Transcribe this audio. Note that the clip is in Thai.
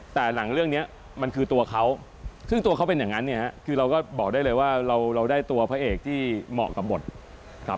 แต่หลังเรื่องนี้มันคือตัวเขาซึ่งตัวเขาเป็นอย่างนั้นเนี่ยคือเราก็บอกได้เลยว่าเราได้ตัวพระเอกที่เหมาะกับบทครับ